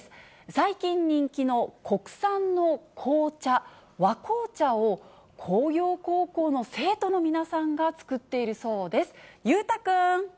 最近人気の国産の紅茶、和紅茶を、工業高校の生徒の皆さんが作っているそうです。